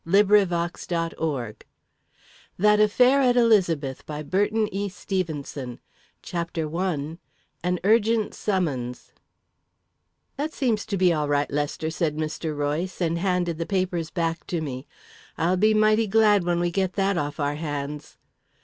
THE CURTAIN LIFTS THAT AFFAIR AT ELIZABETH CHAPTER I An Urgent Summons "That seems to be all right, Lester," said Mr. Royce, and handed the papers back to me. "I'll be mighty glad when we get that off our hands."